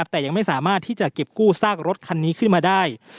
แต่ยังไม่สามารถที่จะเก็บกู้ซากรถคันนี้ขึ้นมาได้